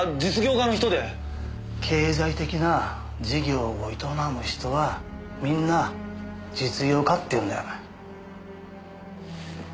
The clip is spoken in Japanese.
経済的な事業を営む人はみんな実業家っていうんだよお前。